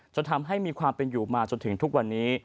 จนทำให้มีความเป็นอยู่มาจนถึงทุกวันนี้